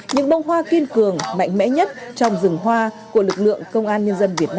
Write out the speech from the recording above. những bông hoa kiên cường mạnh mẽ nhất trong rừng hoa của lực lượng công an nhân dân việt nam